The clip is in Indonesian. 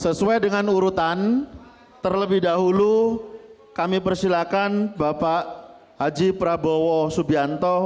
sesuai dengan urutan terlebih dahulu kami persilahkan bapak haji prabowo subianto